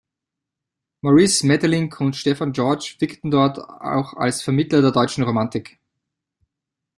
Maurice Maeterlinck und Stefan George wirkten dort auch als Vermittler der deutschen Romantik.